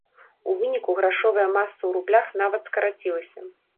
У выніку грашовая маса ў рублях нават скарацілася.